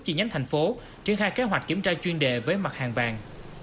chi nhánh thành phố triển khai kế hoạch kiểm tra chuyên đề với mặt hàng vàng